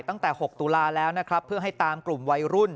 ตั้งแต่๖ตุลาแล้วนะครับเพื่อให้ตามกลุ่มวัยรุ่น